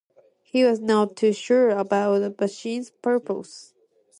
He was not too sure about the machine's purpose.